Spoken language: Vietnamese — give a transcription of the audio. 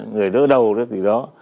người đỡ đầu rất vì đó